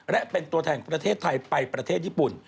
และเป็นตัวแทนของประเทศไทยไปประเทศญี่ปุ่น